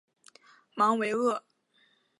芒维厄。